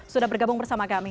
sudah bergabung bersama kami